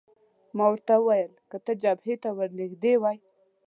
ما ورته وویل: که ته جبهې ته نږدې وای.